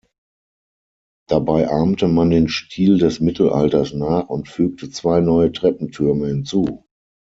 Dabei ahmte man den Stil des Mittelalters nach und fügte zwei neue Treppentürme hinzu.